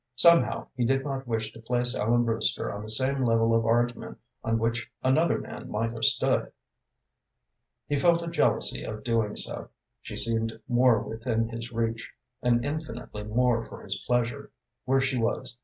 Somehow he did not wish to place Ellen Brewster on the same level of argument on which another man might have stood. He felt a jealousy of doing so. She seemed more within his reach, and infinitely more for his pleasure, where she was.